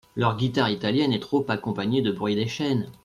Leur guitare italienne est trop accompagnée du bruit des chaînes !